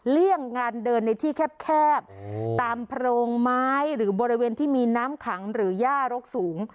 เลี่ยงงานเดินในที่แคบตามโพรงไม้หรือบริเวณที่มีน้ำขังหรือย่ารกสูง